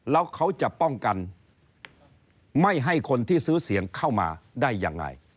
แล้วเขาจะป้องกันไม่ให้คนที่ซื้อเสียงเข้ามาได้ยังไง